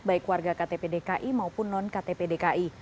baik warga ktp dki maupun non ktp dki